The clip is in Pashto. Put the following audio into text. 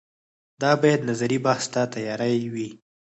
دا باید نظري بحث ته تیارې وي